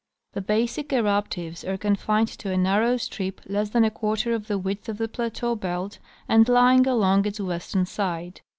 The basic eruptives are confined to a narrow strip less than a quarter of the width of tlie plateau belt and lying along its western side.